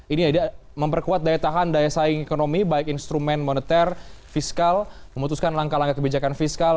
ini memperkuat daya tahan daya saing ekonomi baik instrumen moneter fiskal memutuskan langkah langkah kebijakan fiskal